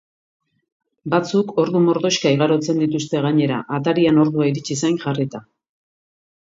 Batzuk ordu mordoxka igarotzen dituzte, gainera, atarian ordua iritsi zain jarrita.